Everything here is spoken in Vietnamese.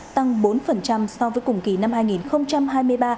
tăng bốn so với cùng kỳ năm hai nghìn hai mươi ba